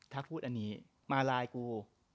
ถ้าพูดอันนี้มาไลน์กู